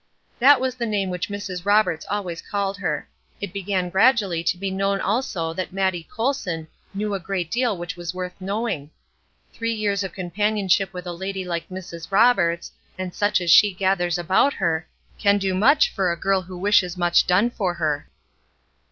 That was the name which Mrs. Roberts always called her. It began gradually to be known also that "Mattie Colson" knew a great deal which was worth knowing. Three years of companionship with a lady like Mrs. Roberts, and such as she gathers about her, can do much for a girl who wishes much done for her.